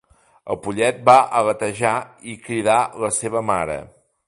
El pollet va aletejar i cridà la seva mare.